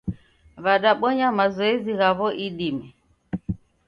W'adabonya mazoezi ghawo idime